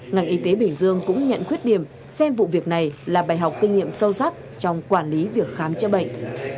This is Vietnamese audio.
ngành y tế bình dương cũng nhận khuyết điểm xem vụ việc này là bài học kinh nghiệm sâu sắc trong quản lý việc khám chữa bệnh